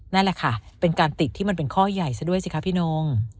นั่นแหละค่ะเป็นการติดที่มันเป็นข้อใหญ่ซะด้วยสิคะพี่นง